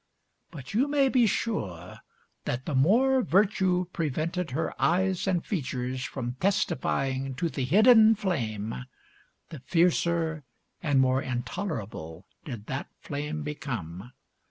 But you may be sure that the more virtue prevented her eyes and features from testifying to the hidden flame, the fiercer and more intolerable did that flame become.